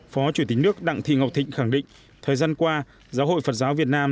phó chủ tịch nước đặng thị ngọc thịnh khẳng định thời gian qua giáo hội phật giáo việt nam